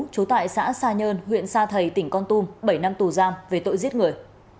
trú tại xã sa nhơn huyện sa thầy tỉnh con tum bảy năm tù giam về tội giết người